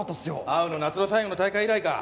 会うの夏の最後の大会以来か。